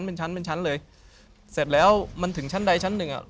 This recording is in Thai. เป็นชั้นเป็นชั้นเลยเสร็จแล้วมันถึงชั้นใดชั้นหนึ่งอ่ะ